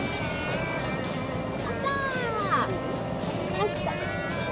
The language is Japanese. ありました。